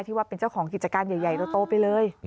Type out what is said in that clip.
ว่าเป็นเจ้าของกิจการใหญ่โตไปเลย